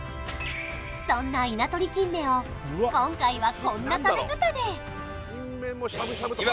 そんな稲取キンメを今回はこんな食べ方で！